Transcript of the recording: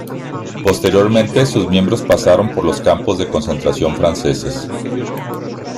Posteriormente sus miembros pasaron por los campos de concentración franceses.